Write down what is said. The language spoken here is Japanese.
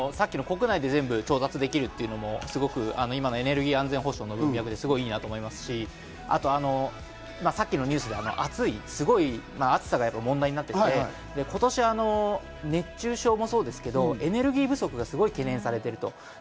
国内で全部調達できるというのも、今のエネルギー安全保障の分野ですごくいいですし、さっきのニュースで暑さがすごい問題になっていて、今年、熱中症もそうですが、エネルギー不足が懸念されていると。